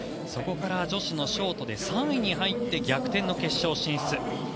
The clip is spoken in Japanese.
そこから女子のショートで３位に入って逆転の決勝進出。